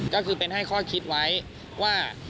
ก็คือเป็นให้ข้อคิดไว้ว่า